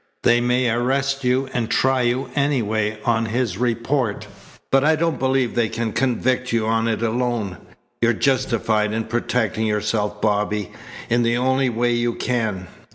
They may arrest you and try you anyway on his report, but I don't believe they can convict you on it alone. You're justified in protecting yourself, Bobby, in the only way you can.